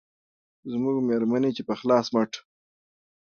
زموږ مېرمنې چې په خلاص مټ